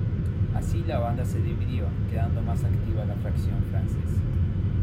Así la banda se dividió, quedando más activa la fracción francesa.